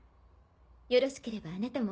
よろしければあなたも。